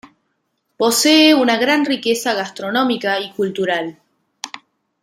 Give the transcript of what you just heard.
Posee una gran riqueza gastronómica y cultural.